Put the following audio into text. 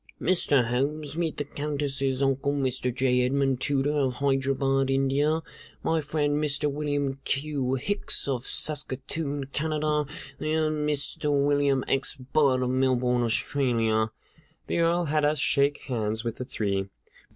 Mr. Holmes, meet the Countess's uncle, Mr. J. Edmund Tooter, of Hyderabad, India; my friend, Mr. William Q. Hicks, of Saskatoon, Canada; and Mr. William X. Budd, of Melbourne, Australia." The Earl had us shake hands with the three.